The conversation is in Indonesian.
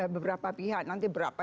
beberapa pihak nanti berapa